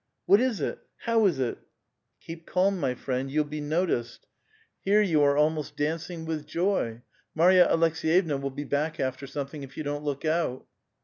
"What is it? How is it?" "Keep calm, my friend ; you'll be noticed. Here you are 100 A VITAL QUESTION. almost dancing with joy. Marya Aleks^yevna will be back after soiuetliing if you don't look out."